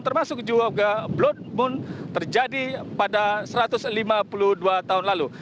termasuk juga blood moon terjadi pada satu ratus lima puluh dua tahun lalu